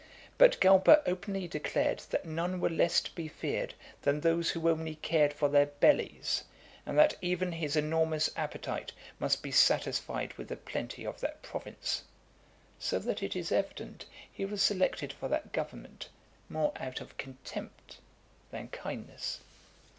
But Galba openly declared that none were less to be feared than those who only cared for their bellies, and that even his enormous appetite must be satisfied with the plenty of that province; so that it is evident he was selected for that government more out of contempt than kindness.